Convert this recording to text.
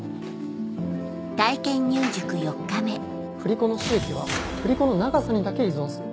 振り子の周期は振り子の長さにだけ依存する。